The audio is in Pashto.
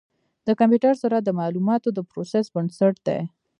د کمپیوټر سرعت د معلوماتو د پروسس بنسټ دی.